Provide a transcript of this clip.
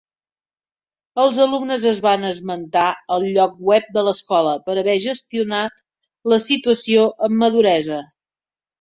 Els alumnes es van esmentar al lloc web de l'escola per haver gestionar la situació amb maduresa.